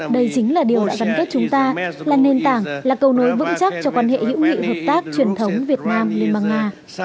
đây chính là điều đã gắn kết chúng ta là nền tảng là cầu nối vững chắc cho quan hệ hữu nghị hợp tác truyền thống việt nam liên bang nga